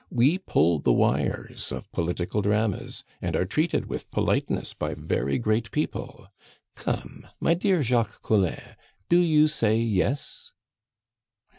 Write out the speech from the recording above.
We pull the wires of political dramas, and are treated with politeness by very great people. Come, my dear Jacques Collin, do you say yes?"